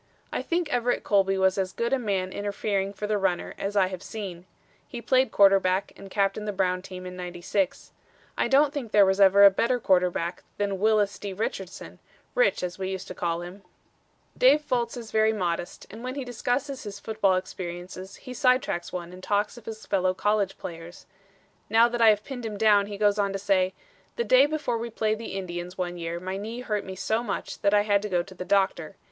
I think Everett Colby was as good a man interfering for the runner as I have seen. He played quarterback and captained the Brown team in '96. I don't think there was ever a better quarterback than Wyllys D. Richardson, Rich, as we used to call him." [Illustration: BARRETT ON ONE OF HIS FAMOUS DASHES] [Illustration: EXETER ANDOVER GAME, 1915] Dave Fultz is very modest and when he discusses his football experiences he sidetracks one and talks of his fellow college players. Now that I have pinned him down, he goes on to say: "The day before we played the Indians one year my knee hurt me so much that I had to go to the doctor.